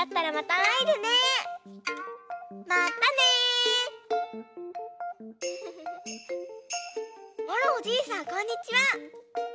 あらおじいさんこんにちは！